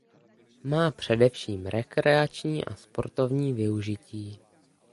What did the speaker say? Má především rekreační a sportovní využití.